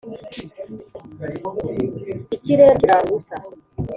Ikirere kirara ubusa